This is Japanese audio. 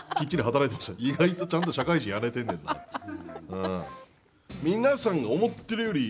意外と、ちゃんと社会人やれてんねんなっていう。